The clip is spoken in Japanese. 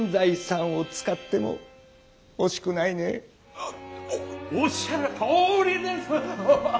あおおっしゃるとおりですッ！